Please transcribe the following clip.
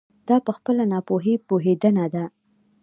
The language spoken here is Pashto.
دا په خپلې ناپوهي پوهېدنه ده.